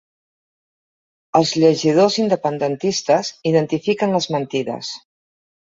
Els llegidors independentistes identifiquen les mentides